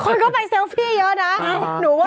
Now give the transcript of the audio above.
คนก็ไปเซลฟี่เยอะนะ